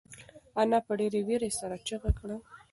انا په ډېرې وېرې سره چیغه کړه.